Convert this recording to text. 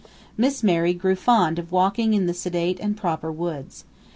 Miss Mary grew fond of walking in the sedate and proper woods.